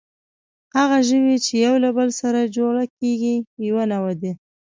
هغه ژوي، چې یو له بل سره جوړه کېږي، یوه نوعه ده.